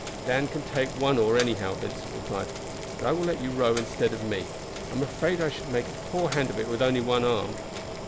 "Dan can take one oar, anyhow," Vincent replied; "but I will let you row instead of me. I am afraid I should make a poor hand of it with only one arm."